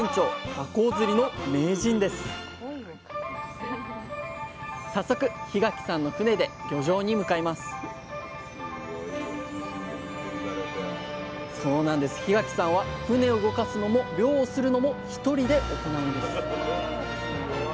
こう釣りの名人です早速檜垣さんの船で漁場に向かいます檜垣さんは船を動かすのも漁をするのも１人で行うんです